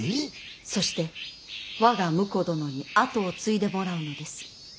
そして我が婿殿に跡を継いでもらうのです。